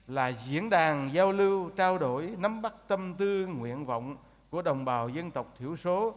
là diễn đàn giao lưu trao đổi nắm bắt tâm tư nguyện vọng của đồng bào dân tộc thiểu số